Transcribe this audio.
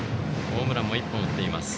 ホームランも１本打っています。